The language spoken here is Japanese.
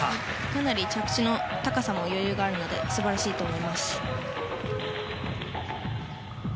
かなり着地の高さも余裕があるので素晴らしいと思います。